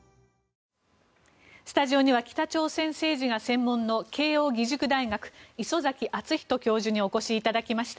スタジオには北朝鮮政治が専門の慶應義塾大学教授礒崎敦仁教授にお越しいただきました。